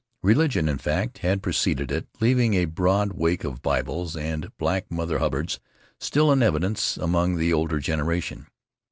Religion, in fact, had preceded it, leaving a broad wake of Bibles and black mother hubbards still in evidence among the older generation.